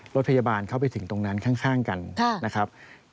รถพยาบาลเข้าไปถึงตรงนั้นข้างกันนะครับ